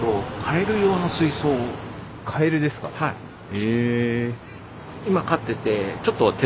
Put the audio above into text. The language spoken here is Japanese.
へえ。